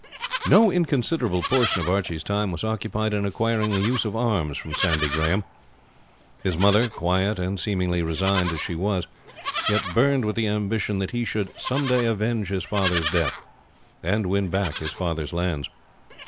No inconsiderable portion of Archie's time was occupied in acquiring the use of arms from Sandy Grahame. His mother, quiet and seemingly resigned as she was, yet burned with the ambition that he should some day avenge his father's death, and win back his father's lands.